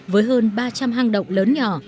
với hơn ba trăm linh hang động lớn nhỏ